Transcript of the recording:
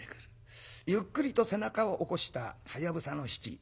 ゆっくりと背中を起こしたはやぶさの七。